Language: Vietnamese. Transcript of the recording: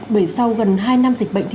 bởi sau gần hai năm dịch